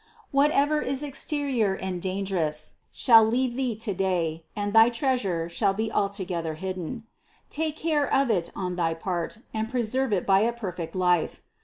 Whatever is exterior and dangerous shall leave thee today and thy treasure shall be altogether hidden. Take care of it on thy part and preserve it by a perfect life.